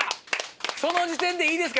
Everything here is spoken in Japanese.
その時点でいいですか？